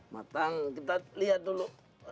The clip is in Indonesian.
matang kita lihat dulu